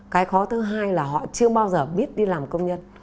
cái khó thứ hai là họ chưa bao giờ biết đi làm công nhân